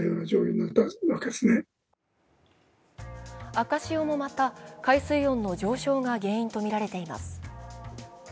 赤潮もまた、海水温の上昇が原因とみられています。